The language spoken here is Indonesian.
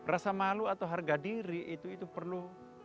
rasa malu atau harga diri itu perlu